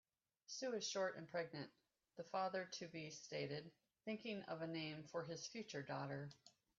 "Sue is short and pregnant", the father-to-be stated, thinking of a name for his future daughter.